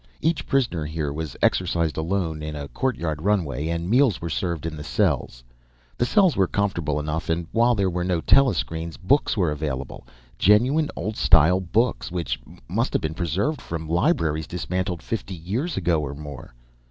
Each prisoner here was exercised alone in a courtyard runway, and meals were served in the cells. The cells were comfortable enough, and while there were no telescreens, books were available genuine, old style books which must have been preserved from libraries dismantled fifty years ago or more.